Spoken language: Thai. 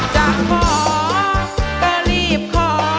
จะขอก็รีบขอ